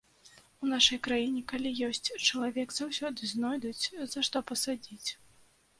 У нашай краіне, калі ёсць чалавек, заўсёды знойдуць, за што пасадзіць.